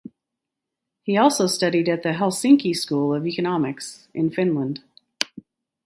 He also studied at the Helsinki School of Economics in Finland.